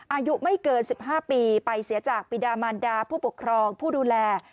อายุไม่เกิน๑๕ปีไปเสียจากปีดามันดาผู้ปกครองผู้ดูแล